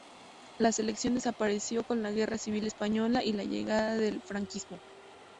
La selección desapareció con la Guerra Civil española y la llegada del franquismo.